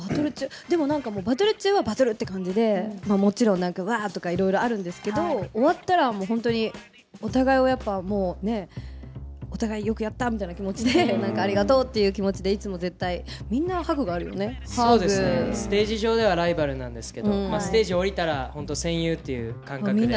でもバトル中はバトルって感じで、もちろんなんかわあとか、いろいろあるんですけど、終わったら、もう本当にお互いをやっぱり、お互いよくやったみたいな感じで、ありがとうという気持ちでいつもステージ上ではライバルなんですけど、ステージをおりたら、本当戦友という感覚で。